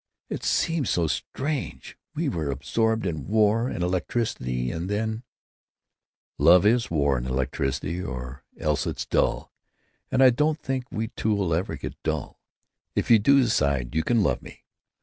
"It seems so strange. We were absorbed in war and electricity and then——" "Love is war and electricity, or else it's dull, and I don't think we two 'll ever get dull—if you do decide you can love me.